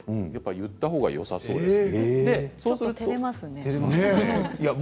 言ったほうがよさそうですよ。